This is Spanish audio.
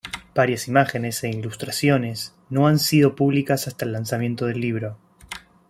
Varias imágenes e ilustraciones no han sido públicas hasta el lanzamiento del libro.